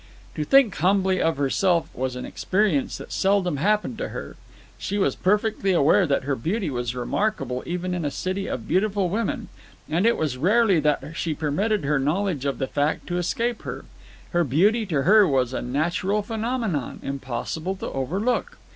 To think humbly of herself was an experience that seldom happened to her. She was perfectly aware that her beauty was remarkable even in a city of beautiful women, and it was rarely that she permitted her knowledge of that fact to escape her. Her beauty, to her, was a natural phenomenon, impossible to overlook.